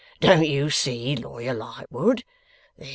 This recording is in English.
'Don't you see, Lawyer Lightwood?